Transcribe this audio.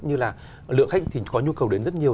như là lượng khách thì có nhu cầu đến rất nhiều